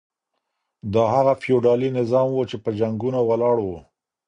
دا هغه فيوډالي نظام و چي په جنګونو ولاړ و.